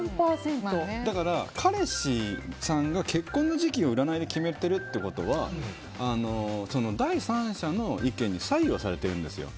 彼氏さんが結婚の時期を占いで決めてるってことは第三者の意見に左右はされてるんですよ。